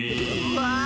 わあ！